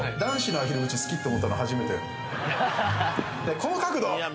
この角度！